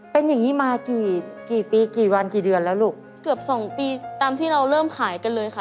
เป็นอย่างงี้มากี่กี่ปีกี่วันกี่เดือนแล้วลูกเกือบสองปีตามที่เราเริ่มขายกันเลยค่ะ